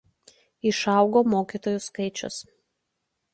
Išaugo mokytojų skaičius.